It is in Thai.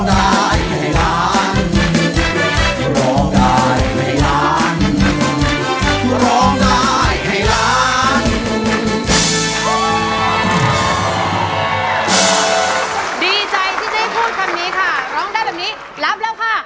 ดีใจที่ได้พูดคำนี้ค่ะร้องได้แบบนี้รับแล้วค่ะ